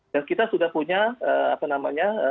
dan kita sudah punya apa namanya